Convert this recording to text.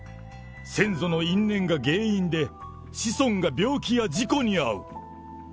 先祖の因縁が原因で、子孫が病気や事故に遭う。